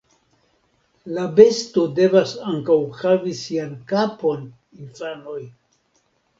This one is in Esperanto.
La besto devas ankaŭ havi sian kapon, infanoj!